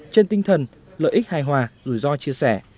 trên tinh thần lợi ích hài hòa rủi ro chia sẻ